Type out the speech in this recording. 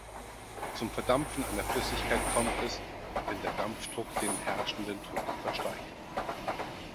Zum Verdampfen einer Flüssigkeit kommt es, wenn der Dampfdruck den herrschenden Druck übersteigt.